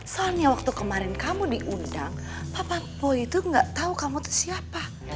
soalnya waktu kemarin kamu diundang papa boy tuh gak tau kamu tuh siapa